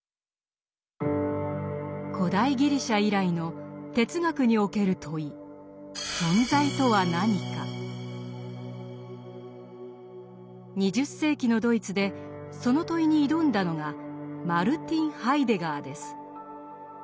古代ギリシャ以来の哲学における問い２０世紀のドイツでその問いに挑んだのがマルティン・ハイデガーです。